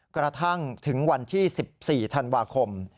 กระทั่งถึงวันที่๑๔ธันวาคม